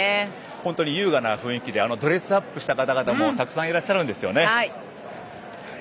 本当に優雅な雰囲気でドレスアップした方々もたくさんいらっしゃるんですよね。